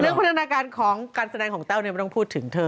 พัฒนาการของการแสดงของแต้วไม่ต้องพูดถึงเธอ